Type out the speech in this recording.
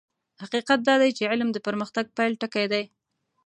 حقيقت دا دی چې علم د پرمختګ پيل ټکی دی.